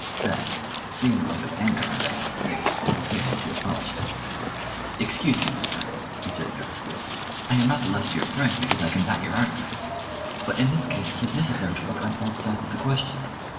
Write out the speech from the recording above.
Then, seeing the look of anger on Diana's face, he hastened to apologise. "Excuse me, Miss Vrain," he said nervously. "I am not the less your friend because I combat your arguments; but in this case it is necessary to look on both sides of the question.